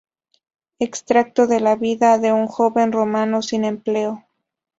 Extracto de la vida de un joven romano sin empleo.